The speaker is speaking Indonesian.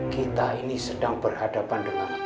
kita ini sedang berhadapan dengan